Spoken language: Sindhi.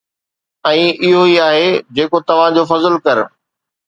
۽ اھو اھو آھي جيڪو توھان جو فضل ڪر.